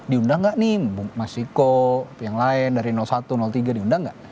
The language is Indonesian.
diundang nggak nih mas iko yang lain dari satu tiga diundang nggak